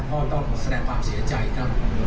เพราะต้องแสดงความเสียใจกัน